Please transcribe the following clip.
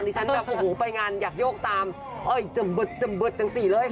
ดิฉันแบบโอ้โหไปงานอยากโยกตามจำเบิร์ตจำเบิร์ตจังสี่เลยค่ะ